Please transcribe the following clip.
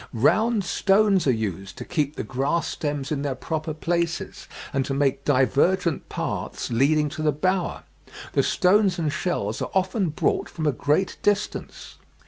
Round stones are used to keep the grass stems in their proper places, and to make divergent paths leading to the bower. The stones and shells are often brought from a great distance.